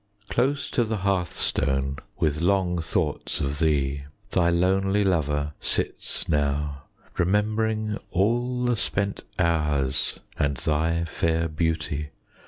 Close to the hearthstone, 10 With long thoughts of thee, Thy lonely lover Sits now, remembering All the spent hours And thy fair beauty.